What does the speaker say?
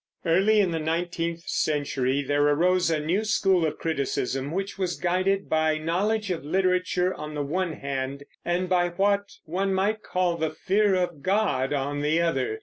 Early in the nineteenth century there arose a new school of criticism which was guided by knowledge of literature, on the one hand, and by what one might call the fear of God on the other.